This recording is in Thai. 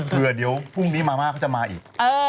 เผื่อเดี๋ยวพรุ่งนี้มาม่าเขาจะมาอีก